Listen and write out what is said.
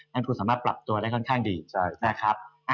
ทุนสามารถปรับตัวได้ค่อนข้างดีนะครับ